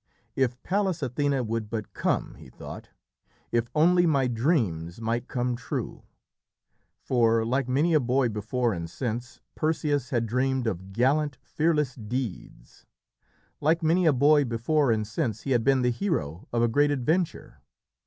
"If Pallas Athené would but come," he thought "if only my dreams might come true." For, like many a boy before and since, Perseus had dreamed of gallant, fearless deeds. Like many a boy before and since, he had been the hero of a great adventure.